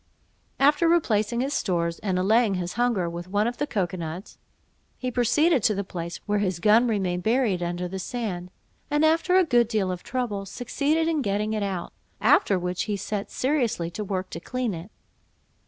After replacing his stores, and allaying his hunger with one of the cocoa nuts, he proceeded to the place where his gun remained buried under the sand; and after a good deal of trouble, succeeded in getting it out; after which he set seriously to work to clean it.